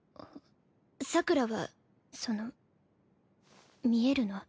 さくらはその見えるの？